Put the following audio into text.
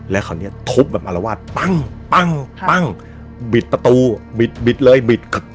แล้วเค้าเนี้ยทบแบบมารวาจบิดประตูบิดเร็ว